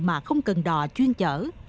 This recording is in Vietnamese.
mà không cần đò chuyên chở